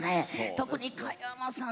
特に加山さん